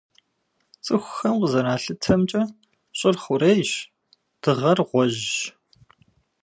Цӏыхухэм къызэралъытэмкӏэ, Щӏыр - хъурейщ, Дыгъэр - гъуэжьщ.